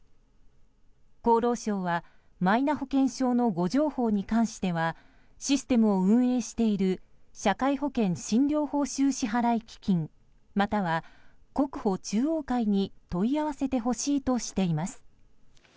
厚労省はマイナ保険証の誤情報に関してはシステムを運営している社会保険診療報酬支払基金または国保中央会に問い合わせてほしいとしています。